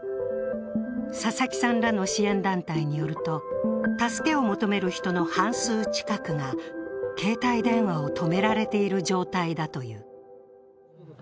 佐々木さんらの支援団体によると助けを求める人の半数近くが携帯電話を止められている状態だという。